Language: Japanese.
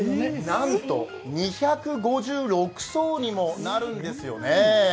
なんと、２５６層にもなるんですよね。